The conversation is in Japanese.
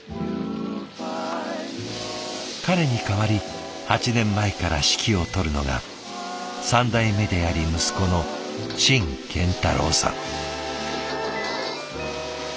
彼に代わり８年前から指揮を執るのが３代目であり息子の陳建太郎さん。